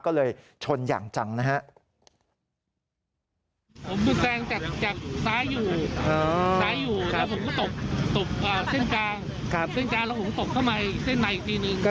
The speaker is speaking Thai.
ก็เลยชนอย่างจังนะฮะ